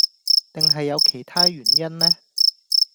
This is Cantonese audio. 定係有其他原因呢